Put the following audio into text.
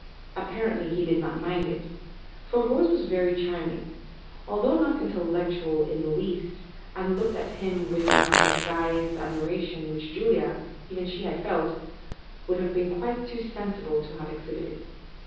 89 apparently he did not mind it, for Rose was very charming, although not intellectual in the least, and looked at him with an undisguised admiration which Julia (even had she felt it) would have been quite too sensible to have exhibited.